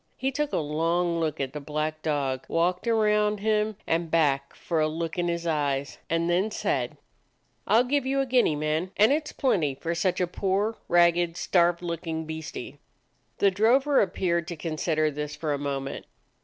He took a long look at the black dog, walked around him and back for a look in his eyes, and then said: " I 'll give you a guinea, man, and it 's plenty for such a poor, ragged, starved look ing beastie." The drover appeared to consider this for a moment.